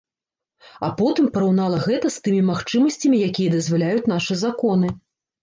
А потым параўнала гэта з тымі магчымасцямі, якія дазваляюць нашы законы.